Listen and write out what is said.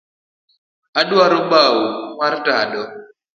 Aduaro bau mar tado